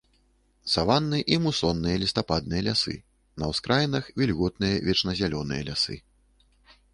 Саванны і мусонныя лістападныя лясы, на ўскраінах вільготныя вечназялёныя лясы.